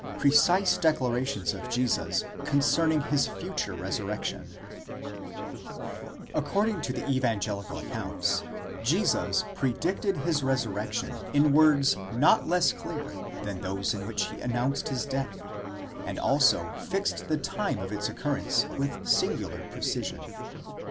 PRECISE DECLARATIONS OF JESUS CONCERNING HIS FUTURE RESURRECTION, According to the evangelical accounts, Jesus predicted his resurrection in words not less clear than those in which he announced his death, and also fixed the time of its occurrence with singular precision.